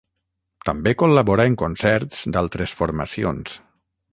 També col·labora en concerts d'altres formacions.